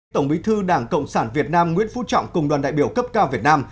tổng bí thư đảng cộng sản việt nam nguyễn phú trọng cùng đoàn đại biểu cấp cao việt nam